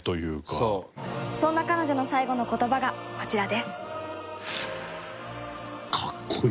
そんな彼女の最期の言葉がこちらです。